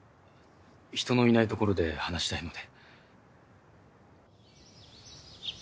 人のいないところで話したいので。